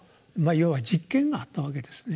あ要は「実験」があったわけですね。